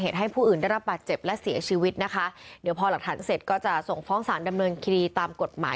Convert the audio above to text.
ต่อไปค่ะ